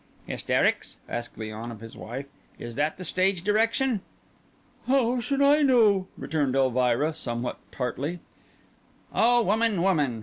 "Hysterics?" asked Léon of his wife. "Is that the stage direction?" "How should I know?" returned Elvira, somewhat tartly. "Oh, woman, woman!"